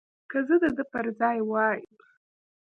که زه د ده پر ځای وای.